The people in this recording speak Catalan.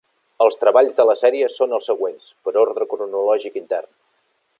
Els treballs de la sèrie són els següents, per ordre cronològic intern.